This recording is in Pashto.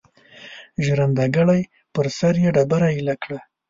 ژرندګړی پر سر یې ډبره ایله کړه.